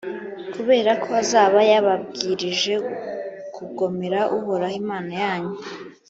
kubera ko azaba yababwirije kugomera uhoraho imana yanyu,